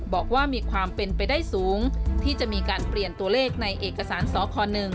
บอกว่ามีความเป็นไปได้สูงที่จะมีการเปลี่ยนตัวเลขในเอกสารสค๑